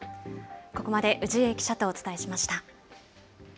ここまで氏家記者とお伝えしました。